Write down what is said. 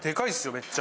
めっちゃ。